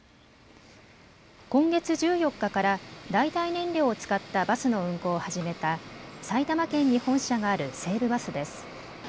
今月１４日から代替燃料を使ったバスの運行を始めた埼玉県に本社がある西武バスです。